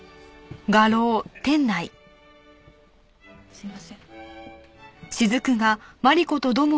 すいません。